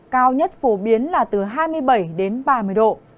cao nhất phổ biến là từ hai mươi bảy đến ba mươi độ